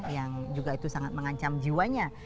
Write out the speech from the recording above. yang juga itu sangat mengancam jiwanya